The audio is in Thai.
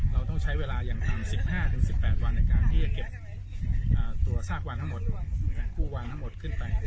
เราต้องใช้เวลาอย่างต่ำ๑๕๑๘วันในการที่จะเก็บตัวซากวางทั้งหมดกู้วางทั้งหมดขึ้นไป